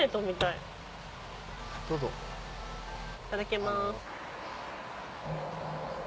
いただきます。